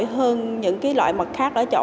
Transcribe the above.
hơn những loại mật khác ở chỗ